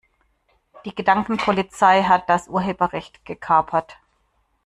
Die Gedankenpolizei hat das Urheberrecht gekapert.